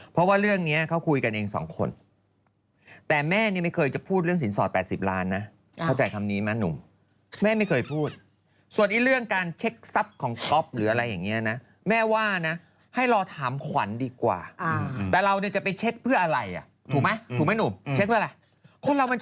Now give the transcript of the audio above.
เป็นปัญหามือที่๓มาคิดดีกว่านะครับ